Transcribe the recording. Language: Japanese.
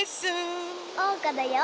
おうかだよ！